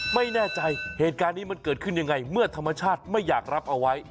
ไม่แน่ใจเหตุการณ์นี้มันเกิดขึ้นยังไงเมื่อธรรมชาติไม่อยากรับเอาไว้